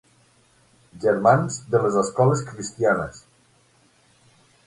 Germans de les escoles cristianes.